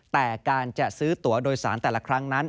แต่การจะซื้อตัวโดยสารแต่ละครั้งนั้น